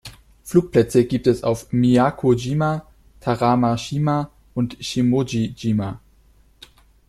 Flugplätze gibt es auf Miyako-jima, Tarama-shima und Shimoji-jima.